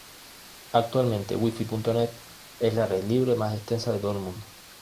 Actualmente, guifi.net es la red libre más extensa de todo el mundo.